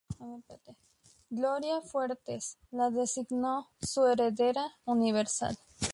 Gloria Fuertes la designó su heredera universal.